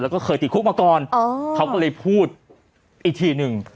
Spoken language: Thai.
แล้วก็เคยติดคุกมาก่อนเขาก็เลยพูดอีกทีหนึ่ง